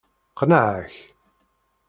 Qqneɣ-ak.